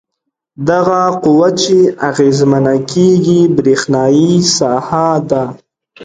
دغه قوه چې اغیزمنه کیږي برېښنايي ساحه ده.